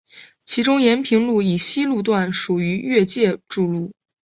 其中延平路以西路段属于越界筑路。